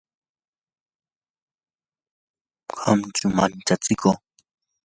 qaqchu manchachiku